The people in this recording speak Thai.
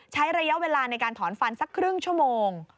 ใช้ระยะเวลาในการถอนฟันสักครึ่งชั่วโมง